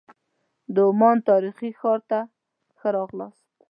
د عمان تاریخي ښار ته ښه راغلاست.